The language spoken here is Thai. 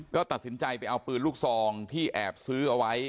ก็ตัดสินใจไปเอาปืนลูกซองที่แอบซื้อเอาไว้